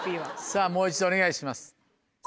さぁもう一度お願いします。